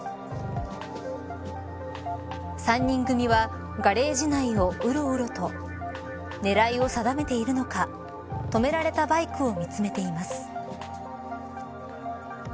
３人組はガレージ内をうろうろと狙いを定めているのか止められたバイクを見つめています。